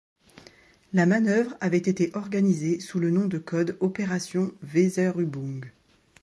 La manœuvre avait été organisée sous le nom de code Opération Weserübung.